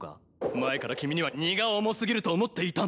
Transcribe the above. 前から君には荷が重すぎると思っていたんだ。